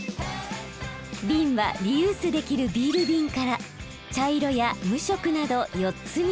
ビンはリユースできるビールビンから茶色や無色など４つに分別。